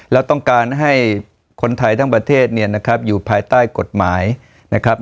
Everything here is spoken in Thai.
และต้องการให้คนไทยทั้งประเทศอยู่ภายใต้กฎหมายนะครับ